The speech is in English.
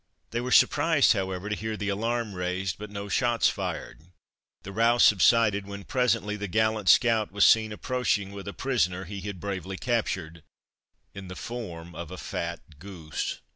They were surprised, however, to hear the alarm raised, but no shots fired. The row subsided, when presently the gallant scout was seen approaching with a prisoner he had bravely captured in the form of a fat goose.